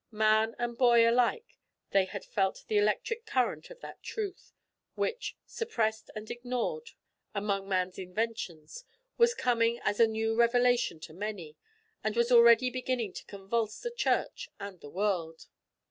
Man and boy, alike they had felt the electric current of that truth, which, suppressed and ignored among man's inventions, was coming as a new revelation to many, and was already beginning to convulse the Church and the world.